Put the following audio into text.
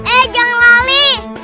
eh jangan lali